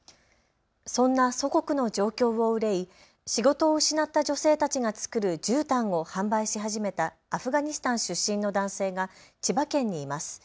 そんな祖国の状況を憂い仕事を失った女性たちが作るじゅうたんを販売し始めたアフガニスタン出身の男性が千葉県にいます。